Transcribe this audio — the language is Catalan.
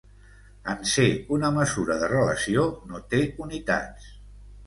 En ser una mesura de relació no té unitats.